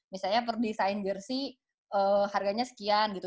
misalnya perdesain jersi harganya sekian gitu